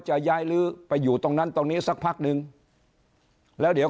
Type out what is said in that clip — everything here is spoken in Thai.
จะย้ายลื้อไปอยู่ตรงนั้นตรงนี้สักพักนึงแล้วเดี๋ยว